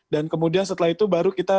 dan kemudian setelah itu baru kita